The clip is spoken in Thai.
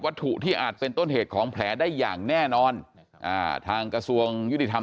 ถูกที่อาจเป็นต้นเหตุของแผลได้อย่างแน่นอนอ่าทางกระทรวงยุติธรรม